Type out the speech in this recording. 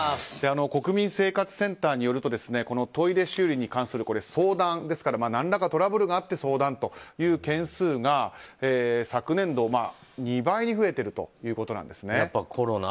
国民生活センターによるとトイレ修理に関する相談ですから何らかトラブルがあって相談という件数が昨年度、２倍に増えているということなんです。